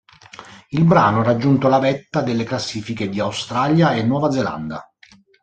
Il brano ha raggiunto la vetta delle classifiche di Australia e Nuova Zelanda.